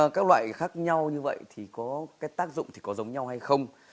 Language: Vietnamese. các loại khác nhau như vậy thì có cái tác dụng thì có giống nhau hay không